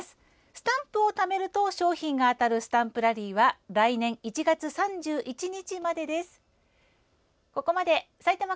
スタンプをためると賞品が当たるスタンプラリーは来年１月３１日までです。